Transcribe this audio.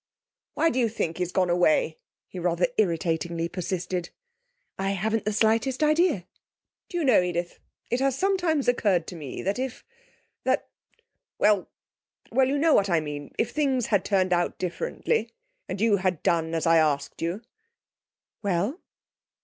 'Why do you think he's gone away?' he rather irritatingly persisted. 'I haven't the slightest idea.' 'Do you know, Edith, it has sometimes occurred to me that if that, well well, you know what I mean if things had turned out differently, and you had done as I asked you ' 'Well?'